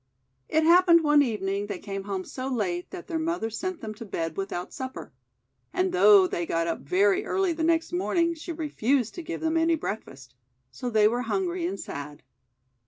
It happened one evening they came home so late that their mother sent them to bed with out supper. And though they got up very early the next morning, she refused to give them any breakfast. So they were hungry and sad.